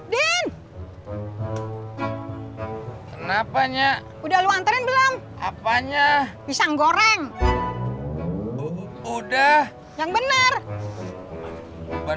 din kenapa nya udah lu anterin belum apanya pisang goreng udah yang bener bener